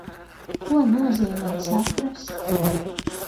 Ko nozīmē saprast?